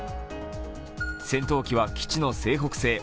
戦闘機は基地の西北西